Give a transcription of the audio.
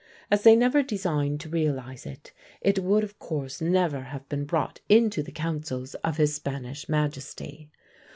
As they never designed to realise it, it would of course never have been brought into the councils of his Spanish majesty.